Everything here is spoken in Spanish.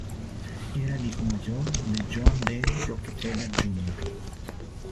Era el hijo mayor de John D. Rockefeller Jr.